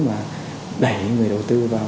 mà đẩy người đầu tư vào